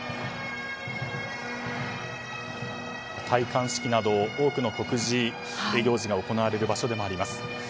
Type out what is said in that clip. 戴冠式など多くの国事行事が行われる場所でもあります。